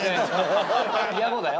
野暮だよ。